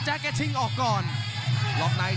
กรรมการเตือนทั้งคู่ครับ๖๖กิโลกรัม